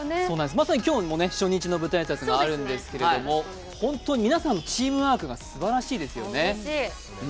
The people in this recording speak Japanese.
まさに今日も初日の舞台挨拶があるんですけども本当に皆さん、チームワークがすばらしいですよね。